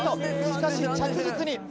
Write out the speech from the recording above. しかし着実に。